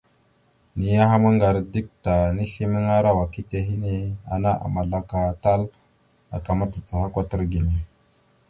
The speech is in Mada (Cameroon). Niyaham ŋgar dik ta, nislimaŋara wakita hinne, ana àmazlaka tal aka macacaha kwatar gime.